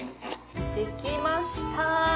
できましたー！